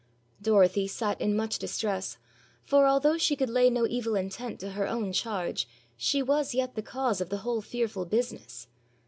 Dorothy sat in much distress, for although she could lay no evil intent to her own charge, she was yet the cause of the whole fearful business.